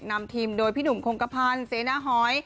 นำทีมโดยพี่หนุ่มคงกระพันธ์เสนาหอย